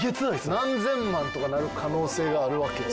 何千万とかになる可能性があるわけよ。